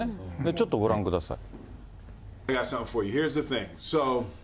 ちょっとご覧ください。